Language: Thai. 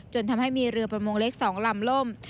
จนทำให้มีเรือประมงเล็ก๒ลำล่ม